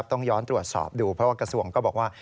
ต้องย้อนตรวจสอบดูเพราะว่ากระทรวงก็บอกว่า